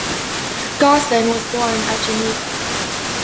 Gaussen was born at Geneva.